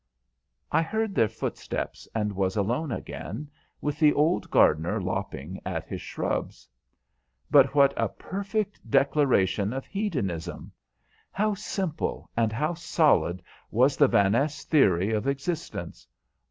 I heard their footsteps, and was alone again, with the old gardener lopping at his shrubs. But what a perfect declaration of hedonism! How simple and how solid was the Vaness theory of existence!